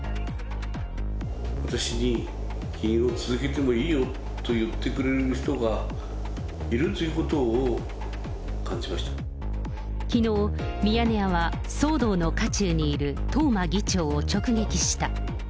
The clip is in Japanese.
私に議員を続けてもいいよと言ってくれる人がいるということきのう、ミヤネ屋は騒動の渦中にいる東間議長を直撃した。